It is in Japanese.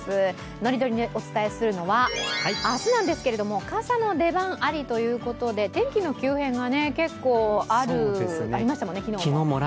ノリノリでお伝えするのは明日なんですけれども傘の出番ありということで天気の急変が結構ありましたもんね、昨日も。